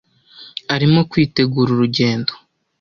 Arimo kwitegura urugendo.